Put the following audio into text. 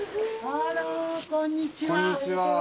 こんにちは。